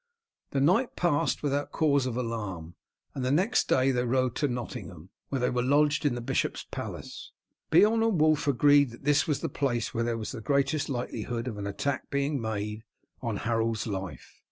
The night passed without cause of alarm, and the next day they rode to Nottingham, where they were lodged in the bishop's palace. Beorn and Wulf agreed that this was the place where there was the greatest likelihood of an attack being made on Harold's life.